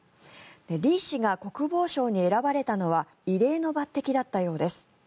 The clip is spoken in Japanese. リ氏が国防相に選ばれたのは異例の抜てきだったようです。